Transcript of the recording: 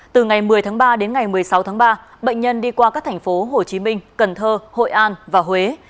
từ ngày một mươi tháng ba đến ngày một mươi sáu tháng ba bệnh nhân đi qua các thành phố hồ chí minh cần thơ hội an và huế